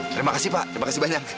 terima kasih pak terima kasih banyak